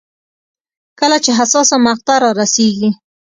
کله چې حساسه مقطعه رارسېږي.